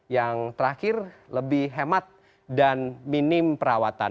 yang terakhir lebih hemat dan minim perawatan